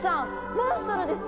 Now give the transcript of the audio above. モンストロです！